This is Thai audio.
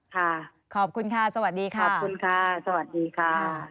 ค่ะขอบคุณค่ะสวัสดีค่ะขอบคุณค่ะสวัสดีค่ะ